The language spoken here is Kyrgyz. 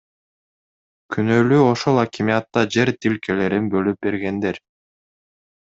Күнөөлүү ошол акимиатта жер тилкелерин бөлүп бергендер.